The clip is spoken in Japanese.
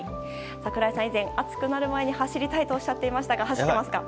櫻井さんは以前暑くなる前に走りたいとおっしゃっていましたが走ってますか？